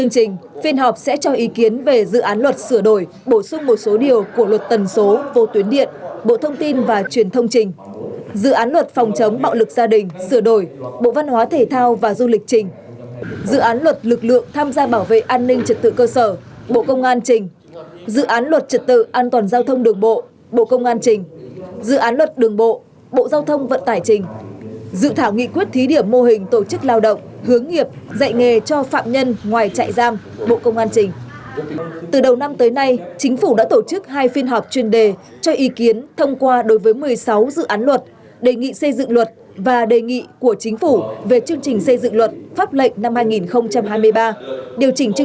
cho ý kiến thông qua đối với một mươi sáu dự án luật đề nghị xây dựng luật và đề nghị của chính phủ về chương trình xây dựng luật pháp lệnh năm hai nghìn hai mươi ba điều chỉnh chương trình xây dựng luật pháp lệnh năm hai nghìn hai mươi hai thể hiện quyết tâm và nỗ lực của chính phủ trong công tác xây dựng hoàn thiện thể chế